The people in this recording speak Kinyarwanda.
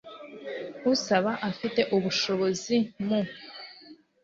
usaba afite ubushobozi mu